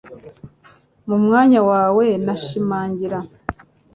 Mu mwanya wawe nashimangira